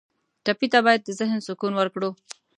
ټپي ته باید د ذهن سکون ورکړو.